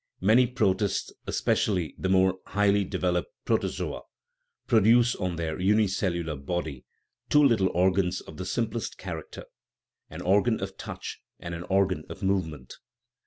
Many protists, especially the more highly de veloped protozoa, produce on their unicellular body two little organs of the simplest character an organ of touch and an organ of movement.